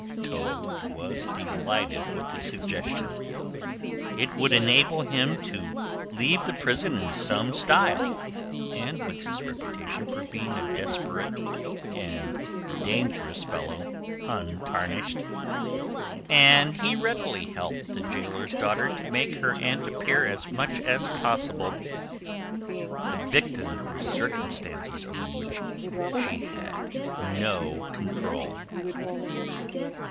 Toad was delighted with the suggestion. It would enable him to leave the prison in some style, and with his reputation for being a desperate and dangerous fellow untarnished; and he readily helped the gaoler's daughter to make her aunt appear as much as possible the victim of circumstances over which she had no control.